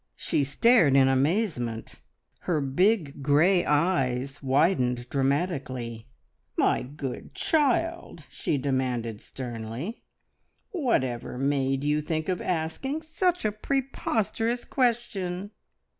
She stared in amazement; her big, grey eyes widened dramatically. "My good child," she demanded sternly, "whatever made you think of asking such a preposterous question?"